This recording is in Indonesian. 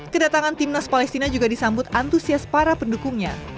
kedatangan timnas palestina juga disambut antusias para pendukungnya